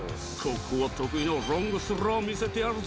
ここは得意のロングスローを見せてやるぜ。